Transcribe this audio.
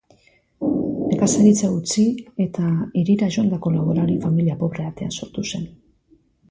Nekazaritza utzi eta hirira joandako laborari-familia pobre batean sortu zen.